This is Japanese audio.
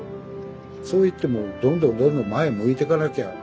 そういってもうどんどんどんどん前向いてかなきゃ。